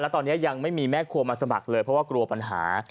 ตอนนี้ยังไม่มีแม่ครัวมาสมัครเลยเพราะว่ากลัวปัญหา